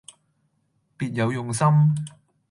別有用心